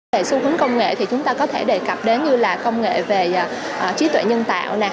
về xu hướng công nghệ thì chúng ta có thể đề cập đến như là công nghệ về trí tuệ nhân tạo